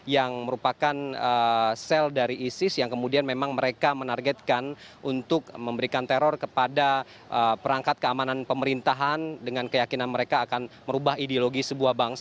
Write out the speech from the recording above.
yang merupakan sel dari isis yang kemudian memang mereka menargetkan untuk memberikan teror kepada perangkat keamanan pemerintahan dengan keyakinan mereka akan merubah ideologi sebuah bangsa